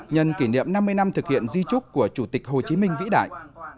nhân kỷ niệm năm mươi năm thực hiện di trúc của chủ tịch hồ chí minh vĩ đại